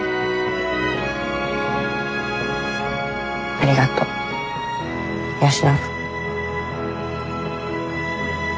ありがとう吉信。